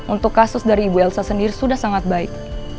untuk kasus dari ibu elsa sendiri sudah sangat baik